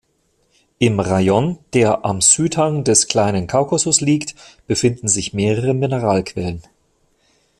Im Rayon, der am Südhang des Kleinen Kaukasus liegt, befinden sich mehrere Mineralquellen.